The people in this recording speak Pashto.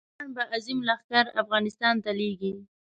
ایران به عظیم لښکر افغانستان ته لېږي.